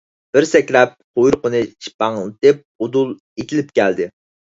بىر سەكرەپ قۇيرۇقىنى شىپپاڭلىتىپ ئۇدۇل ئېتىلىپ كەلدى.